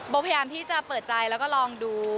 พยายามที่จะเปิดใจแล้วก็ลองดู